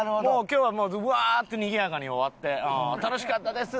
今日はもうウワーッとにぎやかに終わって「楽しかったです」